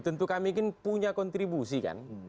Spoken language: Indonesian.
tentu kami punya kontribusi kan